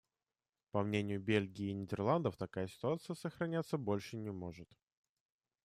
По мнению Бельгии и Нидерландов, такая ситуация сохраняться больше не может.